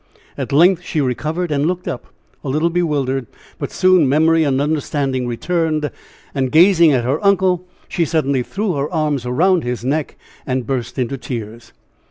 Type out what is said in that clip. At length she recovered and looked up, a little bewildered, but soon memory and understanding returned and, gazing at her uncle, she suddenly threw her arms around his neck and burst into tears.